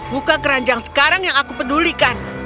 buka keranjang sekarang yang aku pedulikan